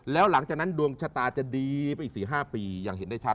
แล้วหลังจากนั้นดวงชะตาจะดีไปอีก๔๕ปีอย่างเห็นได้ชัด